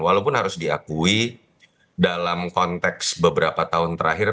walaupun harus diakui dalam konteks beberapa tahun terakhir